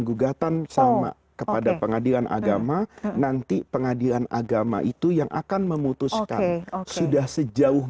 gugatan sama kepada pengadilan agama nanti pengadilan agama itu yang akan memutuskan sudah sejauh